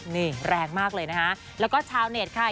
นี่แรงมากเลยนะคะแล้วก็ชาวเน็ตค่ะ